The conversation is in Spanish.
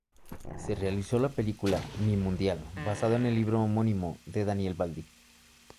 Se realizó la película "Mi mundial", basada en el libro homónimo de Daniel Baldi.